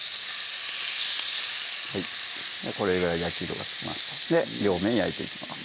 これぐらい焼き色がつきましたので両面焼いていきます